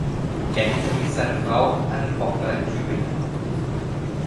Er hinterließ seine Frau und eine Tochter in Tübingen.